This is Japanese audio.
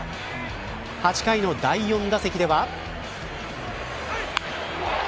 ８回の第４打席では。